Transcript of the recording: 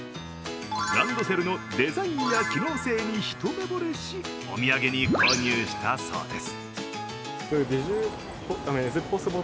ランドセルのデザインや機能性にひとめぼれしお土産に購入したそうです。